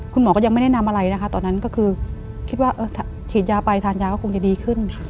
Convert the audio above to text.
คุณหมอก็ยังไม่ได้นำอะไรนะคะตอนนั้นก็คือคิดว่าฉีดยาไปทานยาก็คงจะดีขึ้น